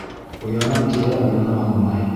Уянам тиһә, уяна алмай?